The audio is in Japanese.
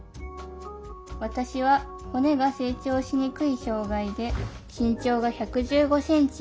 私は骨が成長しにくい障害で身長が１１５センチ。